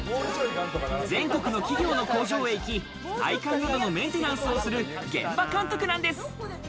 全国の企業の工場へ行き、配管などのメンテナンスをする現場監督なんです。